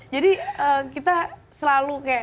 jadi kita selalu